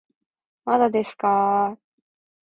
まだですかー